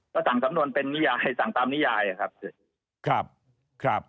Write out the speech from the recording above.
ก็สั่งสำนวนเป็นนิยายสั่งตามนิยายครับ